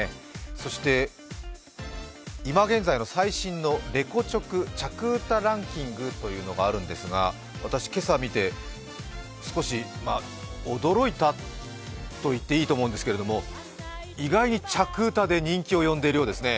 そして、今現在の最新のレコチョク着うたランキングというのがあるんですが、私、今朝見て、少し驚いたと言っていいと思うんですけれども意外に着うたで人気を呼んでいるようですね。